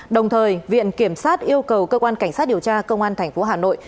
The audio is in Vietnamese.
đồng thời viện kiểm sát yêu cầu cơ quan cảnh sát điều tra công an tp hà nội